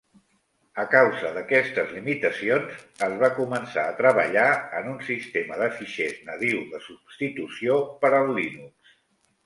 A causa d'aquestes limitacions, es va començar a treballar en un sistema de fitxers nadiu de substitució per al Linux.